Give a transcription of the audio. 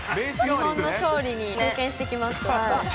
日本の勝利に貢献してきます。